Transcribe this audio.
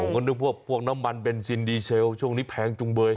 ก็นึกว่าพวกน้ำมันเบนซินดีเชลช่วงนี้แพงจุงเบย